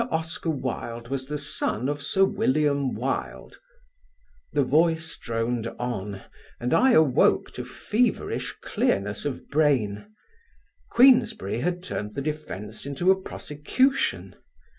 Oscar Wilde was the son of Sir William Wilde ..." the voice droned on and I awoke to feverish clearness of brain. Queensberry had turned the defence into a prosecution.